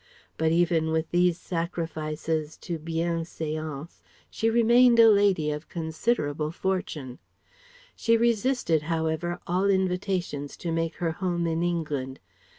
But even with these sacrifices to bienséance she remained a lady of considerable fortune. She resisted however all invitations to make her home in England.